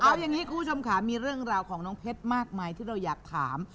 เอาอย่างนี้คุณผู้ชมค่ะมีเรื่องราวของน้องเพชรมากมายที่เราอยากถาม